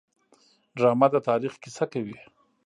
ډرامه د تاریخ کیسه کوي